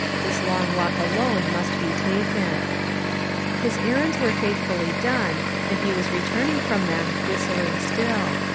This long walk alone must be taken. His errands were faithfully done, and he was returning from them, whistling still.